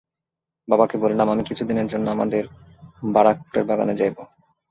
বাবাকে বলিলাম আমি কিছুদিনের জন্য আমাদের বারাকপুরের বাগানে যাইব।